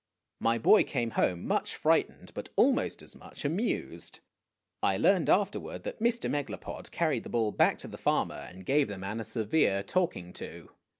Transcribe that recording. My boy came home much frightened, but almost as much amused. I learned afterward that Mr. Megalopod carried the bull back to the farmer and gave the man a severe talking to.